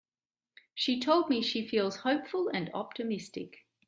She told me she feels hopeful and optimistic.